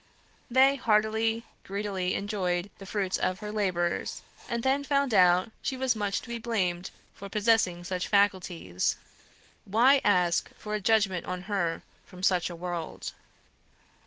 They heartily, greedily enjoyed the fruits of her labours, and then found out she was much to be blamed for possessing such faculties. Why ask for a judgment on her from such a world?"